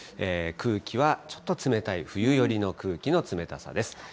空気はちょっと冷たい冬寄りの空気の冷たさです。